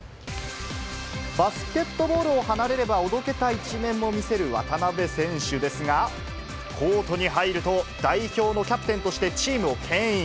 バスケットボールを離れれば、おどけた一面も見せる渡邊選手ですが、コートに入ると、代表のキャプテンとしてチームをけん引。